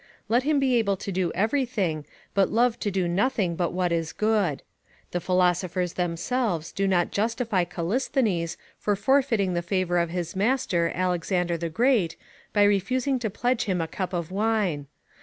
Let him be able to do everything, but love to do nothing but what is good. The philosophers themselves do not justify Callisthenes for forfeiting the favour of his master Alexander the Great, by refusing to pledge him a cup of wine.